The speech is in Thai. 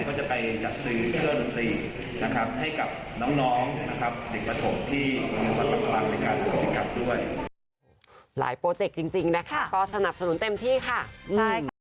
เขาจะไปจับซื้อเครื่องดนตรีให้กับน้องเด็กประถมที่เมืองศัตริย์ประหลาดไปกันที่กับด้วย